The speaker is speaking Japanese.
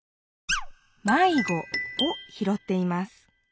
「迷子」をひろっています。